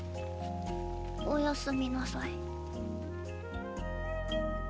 おやすみなさい。